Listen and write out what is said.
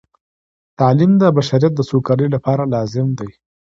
تعلیم د بشریت د سوکالۍ لپاره لازم دی.